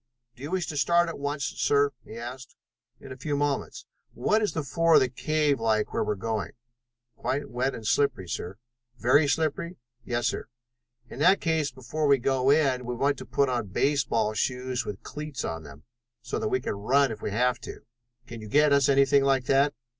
"Do you wish to start at once, sir?" he asked. "In a few moments. What is the floor of the cave like where we are going?" "Quite wet and slimy, sir." "Very slippery?" "Yes, sir." "In that case before we go in we want to put on baseball shoes with cleats on them, so that we can run if we have to. Can you get us anything like that?"